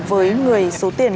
với người số tiền